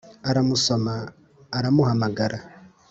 aramusoma, aramuhamagara.